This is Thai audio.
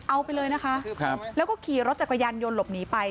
เอาไปเลยนะคะแล้วก็ขี่รถจักรยานยนต์หลบหนีไป